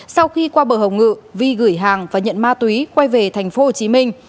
sau khi qua bờ hồng ngự vi gửi hàng và nhận ma túy quay về thành phố hồ chí minh